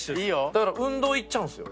だから運動行っちゃうんですよ。